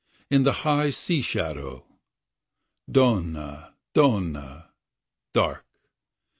In the high sea shadow. 49 Donna, donna, dark.